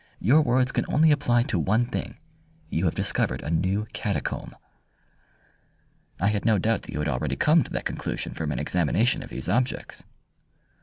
"Your words can only apply to one thing. You have discovered a new catacomb." "I had no doubt that you had already come to that conclusion from an examination of these objects."